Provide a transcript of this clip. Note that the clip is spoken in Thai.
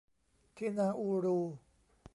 ที่นาอูรู